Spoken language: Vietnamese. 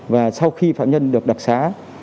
và sau khi phạm nhân được đặc xá